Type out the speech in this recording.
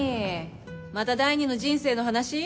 また第二の人生の話？